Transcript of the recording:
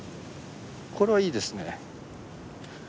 これはいいですね。